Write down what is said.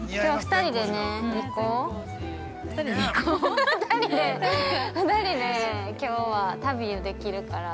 ◆２人で、２人できょうは旅ができるから。